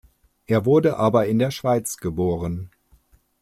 Er wurde aber in der Schweiz geboren.